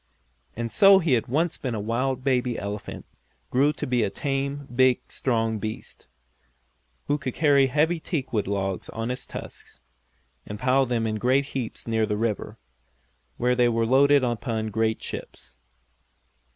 And so he who had once been a wild baby elephant, grew to be a tame, big strong beast, who could carry heavy teakwood logs on his tusks, and pile them in great heaps near the river, where they were loaded upon great ships.